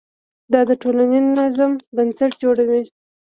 دا د ټولنیز نظم بنسټ جوړوي.